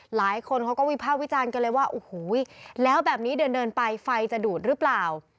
หลายคนเขาก็วิภาควิจารณ์กันเลยว่าโอ้โหแล้วแบบนี้เดินไปไฟจะดูดหรือเปล่า